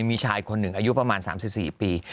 มีชายคนหนึ่งอายุประมาณ๓๔ปี